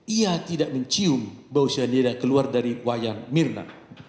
ia tidak mencium bahwa cyanida keluar dari wayang mirna